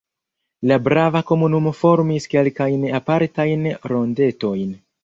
La brava komunumo formis kelkajn apartajn rondetojn.